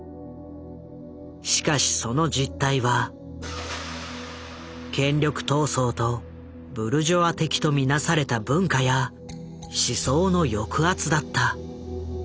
しかしその実態は権力闘争とブルジョア的と見なされた文化や思想の抑圧だった。